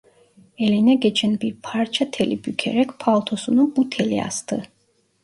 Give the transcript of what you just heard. Eline geçen bir parça teli bükerek paltosunu bu tele astı.